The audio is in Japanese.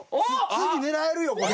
次狙えるよこれ。